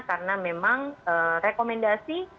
karena memang rekomendasi